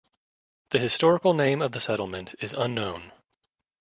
The historical name of the settlement is unknown.